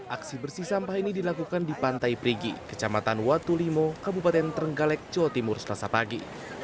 aksi bersih sampah ini dilakukan di pantai perigi kecamatan watulimo kabupaten trenggalek jawa timur selasa pagi